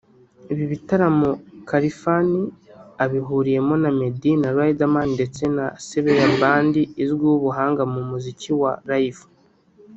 Ibi bitaramo Khalfan abihuriyemo na Meddy na Riderman ndetse na Sebeya Band izwiho ubuhanga mu muziki wa live